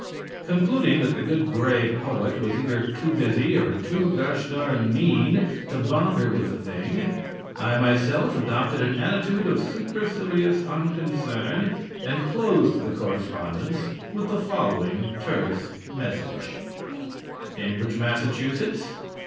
Concluding that the good gray poet was either too busy or too gosh darned mean to bother with the thing, I myself adopted an attitude of supercilious unconcern and closed the correspondence with the following terse message: Cambridge, Mass.